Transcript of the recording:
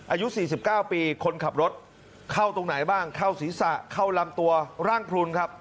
อายุ๔๙ปีคนขับรถเข้าตรงไหนบ้างเข้าศีรษะเข้าลำตัวร่างพลุนครับ